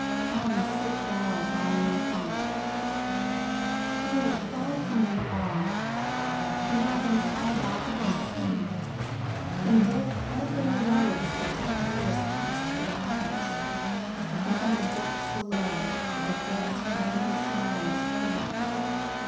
Come, sit thou by me here. Here, far from them all. From heaven's high balconies See! in their threadbare robes the dead years cast their eyes: And from the depths below regret's wan smiles appear.